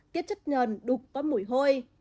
tiết chất nhờn đục có mũi hôi